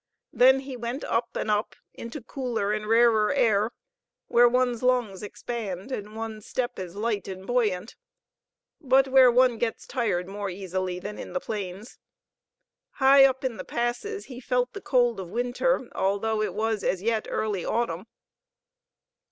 Then he went up and up, into cooler and rarer air, where one's lungs expand and one's step is light and buoyant, but where one gets tired more easily than in the plains. High up in the passes he felt the cold of Winter, although it was as yet early Autumn.